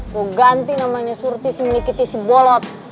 gua ganti namanya surti si milik itu si bolot